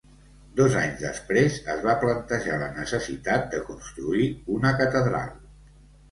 Dos anys després, es va plantejar la necessitat de construir una catedral.